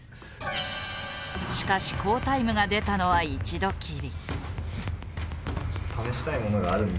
しかし好タイムが出たのは一度きり。